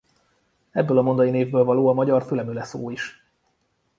Ebből a mondai névből való a magyar fülemüle szó is.